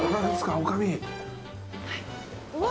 女将。